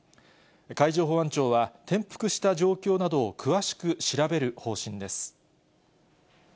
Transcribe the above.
海上保安庁は、転覆した状況などを詳しく調べる方針です。